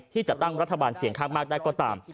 ที่จะตั้งรัฐบาลเสียงข้างมากได้ก็ตาม